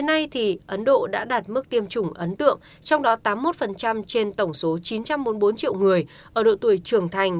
ấn độ đã đạt mức tiêm chủng ấn tượng trong đó tám mươi một trên tổng số chín trăm bốn mươi bốn triệu người ở độ tuổi trưởng thành